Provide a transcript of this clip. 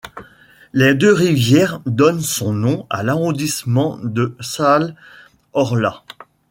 Les deux rivières donnent son nom à l'arrondissement de Saale-Orla.